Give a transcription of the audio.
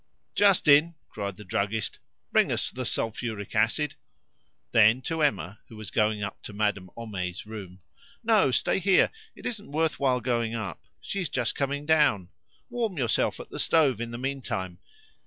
"Justin," cried the druggist, "bring us the sulphuric acid." Then to Emma, who was going up to Madame Homais' room, "No, stay here; it isn't worth while going up; she is just coming down. Warm yourself at the stove in the meantime.